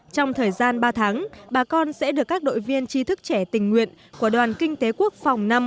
trong thời gian ba tháng bà con sẽ được các đội viên tri thức trẻ tình nguyện của đoàn kinh tế quốc phòng năm